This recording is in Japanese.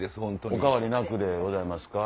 お変わりなくでございますか。